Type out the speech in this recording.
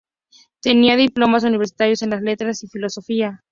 Tenía diplomas universitarios en letras y filosofía.